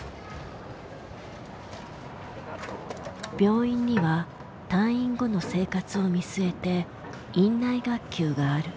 病院には退院後の生活を見据えて院内学級がある。